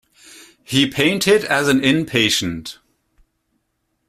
He painted as an inpatient.